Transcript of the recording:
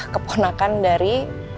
perempuan akan dari